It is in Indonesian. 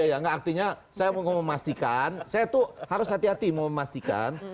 ya enggak artinya saya mau memastikan saya tuh harus hati hati mau memastikan